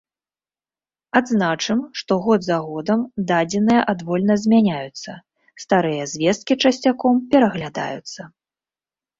Адзначым, што год за годам дадзеныя адвольна змяняюцца, старыя звесткі часцяком пераглядаюцца.